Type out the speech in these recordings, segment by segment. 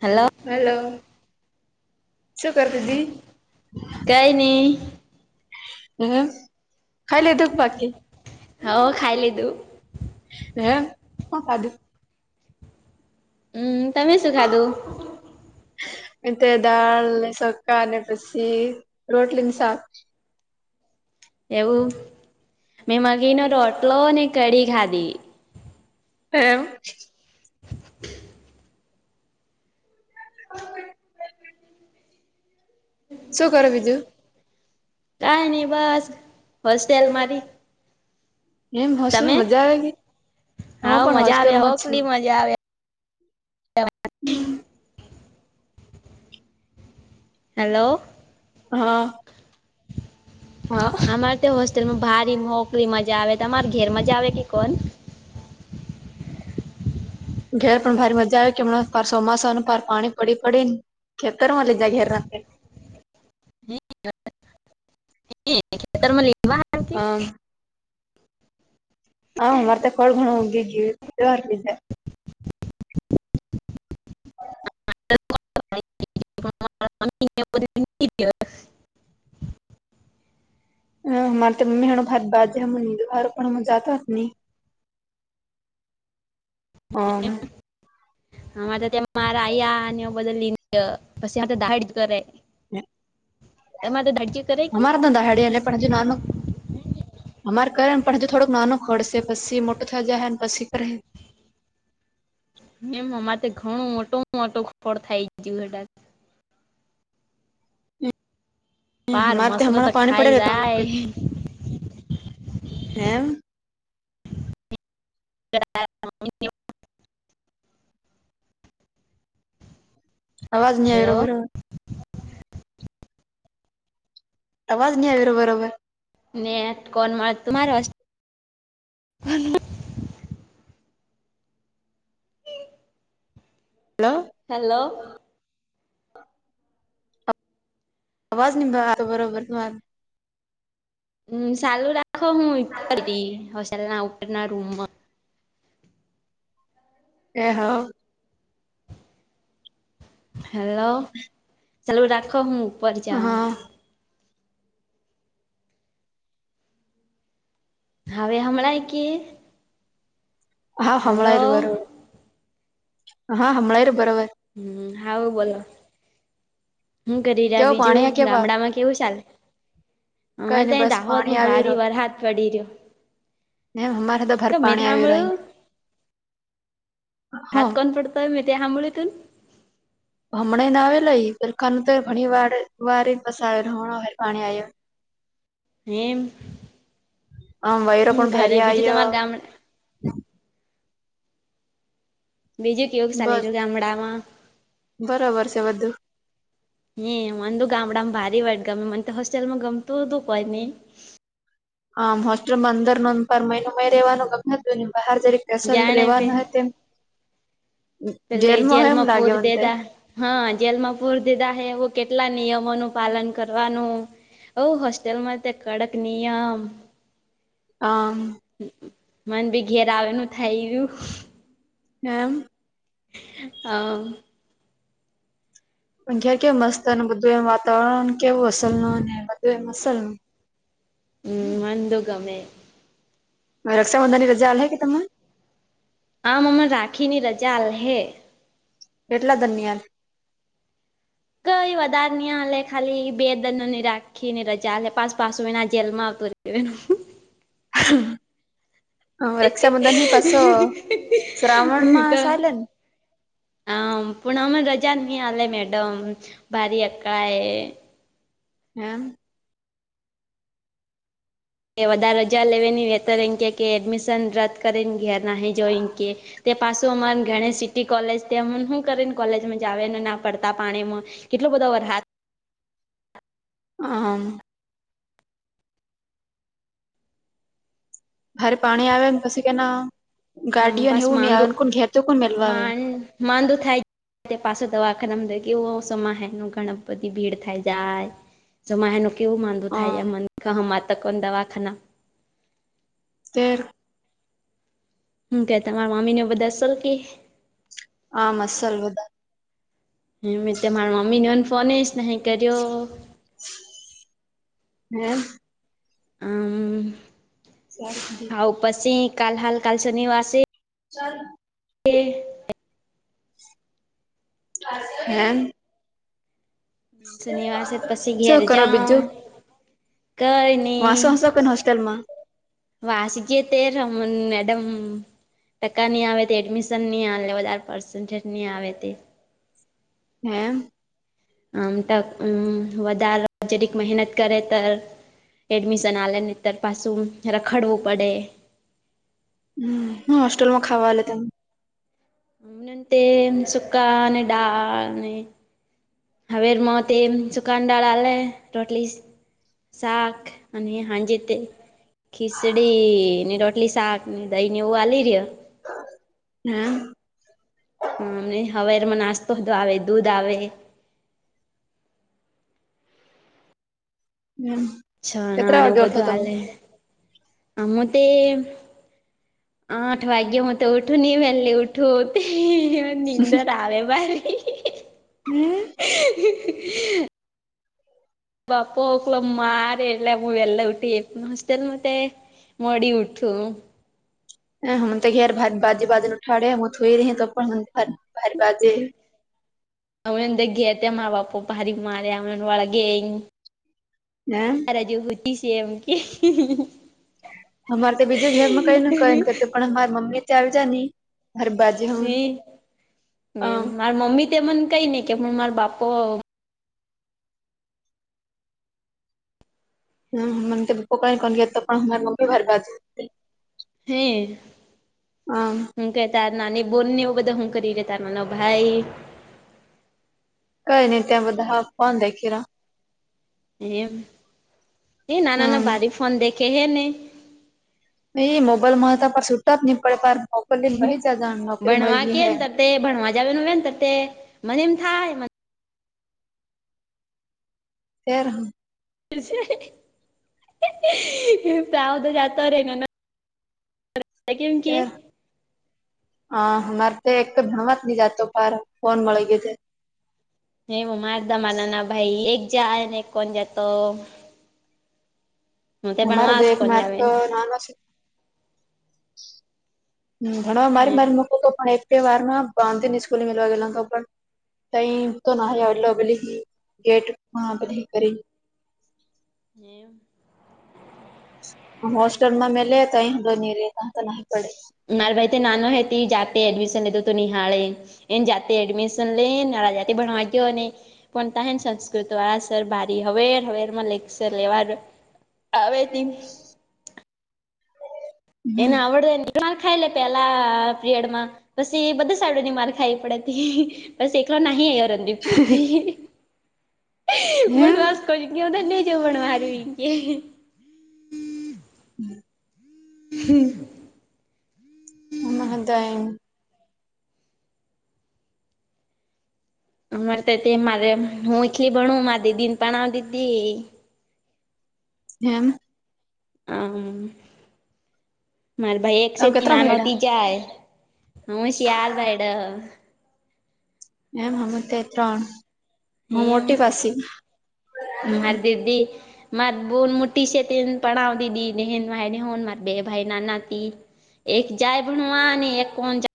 Hello. શું કર તિતી? કઈ નહી હમ ખાઈ લીધું કે બાકી. હવ ખાઈ લીધું હ હે સુ ખાધું? હમ તમે શું ખાધું તે દાળ સોકા ને પછી રોટલીની સાક એવું મેં મગીનો રોટલો ને કઢી ખાધી એમ [inaudible] [inaudible] શું કરે બીજું કઈ નઈ બસ હોસ્ટેલ મારી એમ હોસ્ટેલ મજા આવે ગઈ હા હું પણ મજા આવે હોસ્લમાં છું હોકલી હમ મજા આવે [unintelligible] હેલો હા હા અમારે ત હોસ્ટેલમાં ભારે મોકલી મજા આવે અમાર ઘેર મજા આવે કે કોન ઘેર પણ ભારે મજા આવી કેમ ચોમાસાનું પાર પાણી પડી પડીને ખતર મને જ ઘેર રા હ ખતર લવા હમ હા મરતે કોળગણ હી જીવાર્તી છેે [unintelligible] [unintelligible] ઓ [unintelligible] તમારે તો દાડજી કરે અ કે મારદ હેડ એને પણજ નાનુ અમારે કરેને પણ હજ થોડુંક નાનું ખડશે પછી મોટું થયા જાય ને પછી કરે એમ અમારે તો ઘણું ઓટો ઓટો ખળ થાય ગયું હેટ પાર હમારે તો મસરત હ પાણી પડે ખાઈ રહેતા જાય હમમ [unintelligible] અવાજ નઈ હેલો આવે રો અવાજ નહી આવે્યો બરોબર નેટ કોલ મળ ત મારે હલો હેલો આવાજ ની આવતો બરોબર તમારો હ ચાલુ રાખો હું ઉપર જઈ હોસ્ટેલ ના ઉપર ના રૂમમાં એ હા હેલો ચાલુ રાખો હું ઉપર જાઉ. હા હવે હમણાં કે હા હનભરાય હલો રયુ બરોબર હા હનભરાય રયુ બરોબર. હમ હા બોલો હું કરી રહ્યા કેવું પાણી આ બીજું કેવા ગામડામાં કેવું ચાલ? કઈ નઈ અમારે ત બસ પાણી દાહોદમાં આવી ભારે વરસાદ પડી રહ્યો મ અમારે તો ભાર મેં પાણી આવ સાંભળ્યું રહહી હાત કોન હા પડતો મે હંભ્યું તું ન હમણાં ને આવે લઈ સરરખાનું તો ઘણી વાર વાર બસ આવે હમણાં પાણી આવે એમ આમ વયરો હ પણ ઘરે ભારી બીજું આવ્યો તમાર ગામ બીજું કેવું ચાલી રહ્યું ગામડામાં બરોબર છે બધું. મે ગામડામાં ભારીયુ હોય ગમી મન તો હોસ્ટેલમાં ગમતું તું પન મે આમ હોસ્ટેલમાં અંદર મયનું મય રહેવાનું ગમે હતું બહાર જરીક કેસલ જાણે પે રેવાનું તે પેલે જેલમાંપૂરી મન દે તે દા હા જેલમાં પૂરી દીધા હે એ કેટલા નિયમોનું પાલન કરવાનું અવ હોસ્ટેલમાં કડક નિયમ [unintelligible] મન બી ઘેર આવેનું થઈયું હમ. હ. પણ ઘેર કેમ મસ્ત બધું એમ વાતાવરણ કેવું અસલ ન ને બધું એમ અસલ ન હ મન તો ગમે. રક્ષાબંધનની રજા આલે કે તેમને આમ અમાર રાખીની રજા આલ હૈ. કેટલા દનની આલે કઈ વધારે નહી આલે ખાલી બે દનની રાખીને રજા હલે પાસ પાસો એના જેલ માં આવતો [unintelligible] હ રક્ષાબંધનની પસો શ્રાવણ માં સાલે હમ પુનમ રજા નહી આલે મેડમ ભારી અકળાય એમ કે વધારે રજા લેવીની નેતર એડમિશન રદ કરીને ઘેર નાહી જાવ એમકે તે પાછું અમારે ઘણી સિટી કોલેજ તમને હું કરીન કોલેજમાં જાવ ને ના પડતા પાણીમાં કેટલો બધો વરહાદ [unintelligible] ભારે પાણી આવે ને પછી કેના ગાર્ડિયન પાસ એવું નહી આવેને કોણ ઘેતો કોણ મેલવા આવે માંદુ થાય. પાછો દવાખામ કેવું ઓ સોમાં હ ન ઘણી બધી ભીડ થાય જાય. જોમાં હેનુ કેવું માંદુ થાય આમ એમ મ હ માતકોને દવાખાના ફેર હું કે તમારા મામી ને બધા સરકી આમ અસલ બધા તે મારી મમ્મીને ફોન નહીં કર્યો. હમ. હમ. [unintelligible] હા પછી કાલ હાલ કાલ શનીવાર સે ચલ. કે. હે. શનિવાર છે પછી ઘેર શું કરો જા બીજું કઈ ન વાસો હસો કે હોસ્ટેલમાં વાસીકે તેર રમન મેડમ. ટકા નહીં આવે તે એડમિશન નહીં આવે લે વધારે પર્સન્ટેજ નહીં આવે તે હે. આમ તક વધાર જરિક મહેનત કરે ત એડમિશન આલનેતર પાસું રખડવું પડે હમ હોસ્ટેલમાં ખાવા ત ઉતે સુકા અને ડળ હવેરમાં તે એ સુુકાનડાળલે રોટલી શાક અને હાજે તે ખીચડી ની રોટલી શાક ની દહી ને એવું વાલી રહ્યો હમ હમ નહી હવે એમાં નાસ્તોધો આવે દૂધ આવે હમ છણા કેટલા અને વાગે એવું ઉઠો બધું તમે હલે આમું તે આઠ વાગે હું તો ઉઠું ન વહેલ્લી ઉઠું તે નિંદ તા આવે ભાઈ હમ બાપા ઓકલો મારે એટલે હું વલા ઉઠી હોસ્ટેલમાં તે મળી ઉઠું હ હમ તો યાર ભ બાજે બાજુ ન ઉઠાડે હમું થોઈ રહી તો પણ ભારે બાજે અ અંદ ગે તે મા બાપો ભરી મારે્યા વાળ ગઈ હમ જ હોતી છે એમ કે અમારે તો બીજું ઘેરમાં કઈને ક ને કું પણ અમાર મમ્મી ત્યા આવજાય નહી હરબાજ હમ મારા મમ્મી તે મને કઈ નઈ કે પણ માર બાપ હ મને તોપોક કરી ગ તો પણર મમ્ી ભારે બાજ હમ હમ હ કેતા નાની બોલને એવું બધા હું કરી લેતા નાના ભાઈ કઈ ન ત્યાં બધા હાફવા દે ખીરા એ એ રહ્યા નાના ના હમ બારી ફોન દેખે હે ને નહી મોબાઈલ મળ હતા પણ સુટ જ નહીં પડેાર મોકલ લને ભહ છે જાણ નોકરી મળે ભણવા ગઈ કે હૈ ને ભણવા જાવનું ને મને એમ થાય ફર હ તાવ તો જાતર એ હ હ અમારે તો એક તો ભણવા જ હી જાતો પાર ફોન મળી ગયો છે હે મ મા અર્ધા માના ના ભાઈ એક જ કોણ જા તો અમારો દ ભણવાસ એક કોણ માથ જાવે તો નાનો છે હ ઘણ મારી મારી મકતો પણ વ્યવહારમાં નિ સ્કૂલી મવા ગ તો પણ કઈ તો ન અલ અબલી હ ગેટ મહબલી કરી હમ હોોસ્ટલ મા મેલે તઈ હડની ર ન પડે મારા ભાઈ તો નાનો હે ત જાતે એડમિશન લેતો તો નિહાળે એ જાતે એડમિશન લે નારા જાતિ ભણવા ગયો ન પણ તહેને સંસ્કૃત વાળા સર ભારી હવેર હવેર માં લેક્સર લેવા આવે ત એને આવડે ને મા ખાઈ લે પેલા પીરડ માં બસ એ બધું સાડો ની માર ખાઈ પડે હતી બસ એકલો નહી અ્યો પથી એમ પણ યાને જોમણ મારું હમ હમ મહોદાય અરે તો તે મારે હું એટલી ભણું મા દીદી ને પણાવ દી હતીી હમ હ મારે ભાઈ એક તમે સથી કેટલા ના ભયડા નાનોતી જાય હું શિયાાર ભાઈડ એમ હમ તે ત્રણ હ એમ મોટી પાસી હમ દીધી માર બોન મુટી શતીન પણ દીદી નનેહન મા નનેહોન માર બે ભાઈ ના ના તી એક જાય ભણવા અને એક કો જા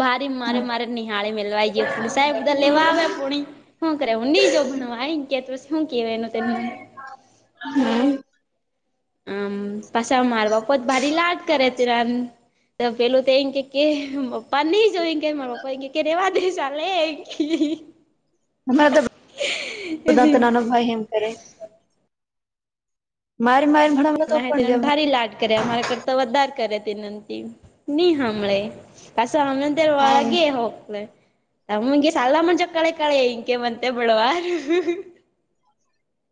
ભરી મારે મારે નિહાળી મે લવાઈ ગયા પૂ સાહેબ બધા લેવા આવે પૂણી શ કરે ઊંડી જો ભણવા આ આવી ગયા તોછ શું કેવાય એનુંનું હમ આમ પાસા મારવા પોત ભારી લટ કરે ત રન પેલું તો એ કે પપ્પા નહી જોય કે મારા પપ્પા એ ગ કેને વા ચાલે અમારા તોધ તો નાનો ભાઈ હૈ મારી મારી તો પણ ભારી લાગે કરે અરા કરતા વધાર કરે તેનંતી નહી સાંભળે હ આમ રવાળગે હકલે તમંગી સલા મણજો કળે કળ્યા ન્કે બંત બળવા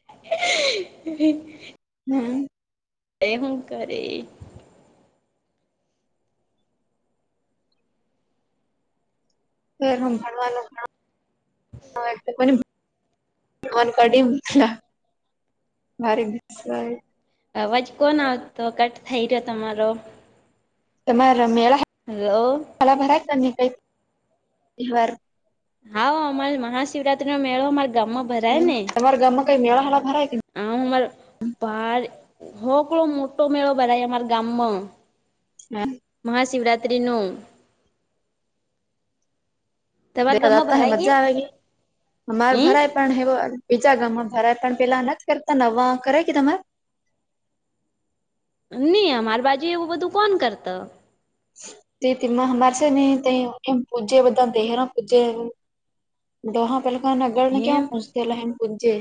[inaudible] હમ એ હું કર ભણવાનું મન કડી ભારે ભ અવાજ કોણ આવતો કટ થઈ રહ્યો તમારો તમારા મેળા હલો મલા ભરા ન ન કવાર હા અમારે મહાશિવરાત્રી નો મેળો અમારા ગામમાં ભરાય હમ તમારા ગામમાં કઈ મેળા હા ભરાય આર બાર હો કેડો મોટો મેળો બરાય અમારા ગામમાં હ મહાશિવરાત્રી નું તમારા ગામમાં દેખાતા હૈ ભરાય કે મજા આવેગ હમાર ઈ ભરાય પણ હૈ બીજા ગામમાં ભરાય પણ પેલા નથી કરતા નવા કરે કે તમારે નહી અમારી બાજીુ એવું બધું કોણ કરતો તે તેીમાંમારશે ન તે એમ પૂજે બધા દહરો પૂજે દોહા પહેલ નગર એમ ક્યાં પૂછતે લહેમ પુંંજે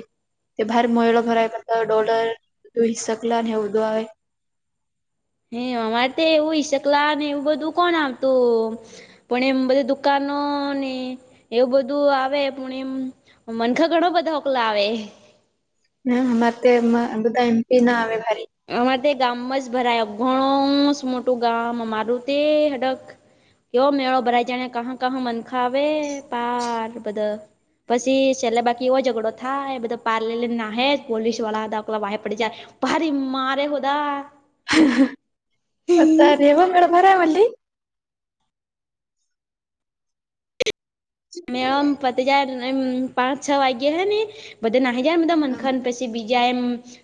તે ભાર મોયલો ભરાય કર તો ડોલર ત હિસકલા અને હ ઉદું આવે હ અમારે તો એવું ઈ શકલા ને એવું બધું કોણ આવતું પણ એમ બધી દુકાનો ને એવું બધું આવે પણ એમ મનખા ઘણ બધા હોકલા આવે હરે બધા એમપી ના આવે ભારી. અમારે તે ગામમાં જ ભરાય ઘણું મોટું ગામ અમારું તે હડક. કયો મેળો ભરાઈ જાને કહા ક મનખા આવે પાર બધા. પછી છેલ્લા બાકી એવો ઝઘડો થાય બધો પાર લલી ના પોલીસ વાળાલા વાહે પડી જાય ભરી મારે હોદા તારેવ મેળ ભરામલી મેમ ફતે જાય પાંચ છ વાગ્યે હે ને બધે નહી જાયધા મનખાન પ જે બીજાય એમ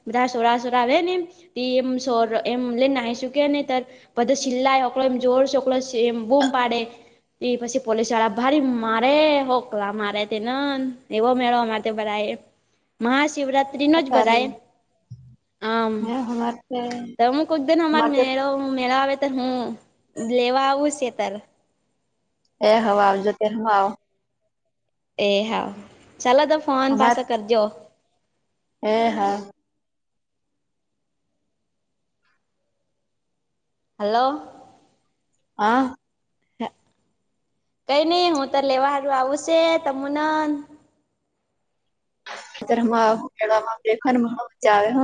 બધા સોરા સોરા આવે ને તે એમ સો એમ લઈ ના શુકેને ત. બધો સિલાય ઓકલોો એમ જોર છેકલોો એમ બૂમ પાડે એ પછી પોલીસ વાળા ભ. મારે હોકલા મારે તે એવો મેળવ મારે બરા મહાશિવરાત્રી. રિનોજ અત્યારે બરાય. આમ હે હમાર તે તોું કોક માટે દનરળ મળ આવે. હું લેવા આવું છ તારે. એ હવે આવજો ત હ આવ. એ હા ચાલ તો ફોન પાસે કરજો. હ હા. હલો. હ. હ કઈ નહી હું તો લેવાળું આવુંશે તમનન. ખતર હું કે માં લેખ ને હણ મજ્જા આવે હ.